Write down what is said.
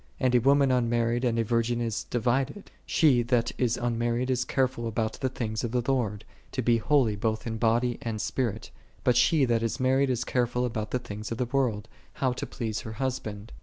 And a woman unmarried and a virgin is divi ded;3 she that is unmarried is careful about the things of the Lord, to be holy both in body and spirit: but she that is married is ' i Cor. ; Cor. 28. 3 cf. de Bon. Conj. careful about the things of the world, how to please her husband."